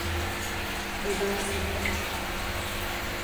Özelsin.